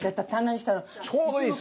ちょうどいいですね。